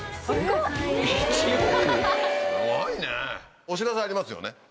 すごいね！